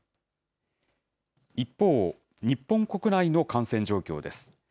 一方、日本国内の感染状況です。